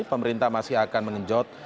pemerintah masih akan mengejot